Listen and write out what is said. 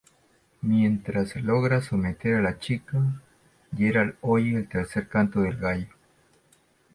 Mientras logra someter a la chica, Geralt oye el tercer canto del gallo.